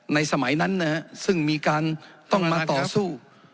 สมัยนั้นนะฮะซึ่งมีการต้องมาต่อสู้